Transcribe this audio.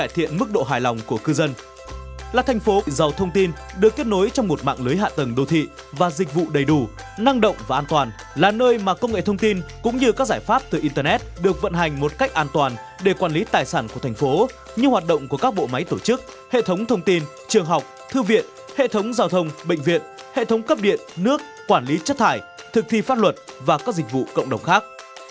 thông tin được kết nối trong một mạng lưới hạ tầng đô thị và dịch vụ đầy đủ năng động và an toàn là nơi mà công nghệ thông tin cũng như các giải pháp từ internet được vận hành một cách an toàn để quản lý tài sản của thành phố như hoạt động của các bộ máy tổ chức hệ thống thông tin trường học thư viện hệ thống giao thông bệnh viện hệ thống cấp điện nước quản lý chất thải thực thi pháp luật và các dịch vụ cộng đồng khác